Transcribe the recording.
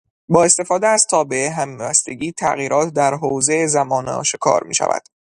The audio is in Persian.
با استفاده از تابع همبستگی، تغییرات در حوزه زمان آشکار میشود.